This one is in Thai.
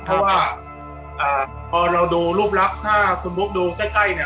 เพราะว่าพอเราดูรูปลับถ้าคุณบุ๊คดูใกล้เนี่ย